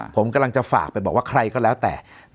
ผมกำลังจะฝากไปบอกว่าใครก็แล้วแต่